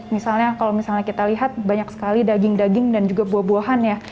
misalnya kalau misalnya kita lihat banyak sekali daging daging dan juga buah buahan ya